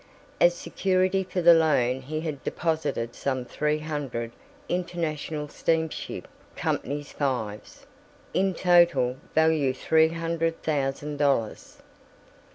As security for the loan he had deposited some three hundred International Steamship Company 5's, in total value three hundred thousand dollars.